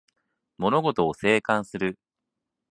物事を静観する